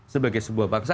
sebagai sebuah bangsa